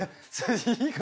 言い方。